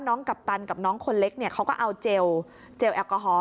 กัปตันกับน้องคนเล็กเนี่ยเขาก็เอาเจลเจลแอลกอฮอล